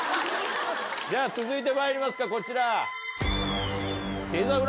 じゃ続いてまいりますかこちら。